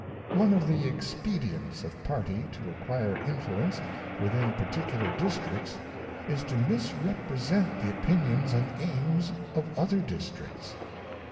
One of the expedients of Party to acquire influence, within particular districts, is to misrepresent the opinions and aims of other districts.